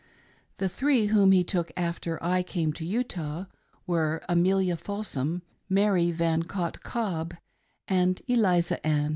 The three whom he took after I came to Utah, were Amelia Folsom, Mary Van Cott Cobb, and Eliza Ann.